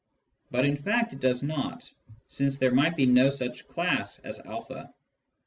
But in fact it does not, since there might be no such class as a.